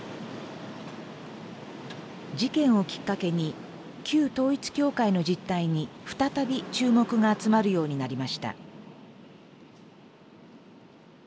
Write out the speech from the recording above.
事件をきっかけに旧統一教会の実態に再び注目が集まるようになりました。